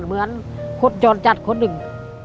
เหมือนคนจรจัดคนหนึ่ง